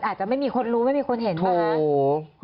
อาจจะไม่มีคนรู้ไม่มีคนเห็นไหมคะ